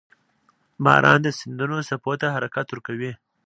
• باران د سیندونو څپو ته حرکت ورکوي.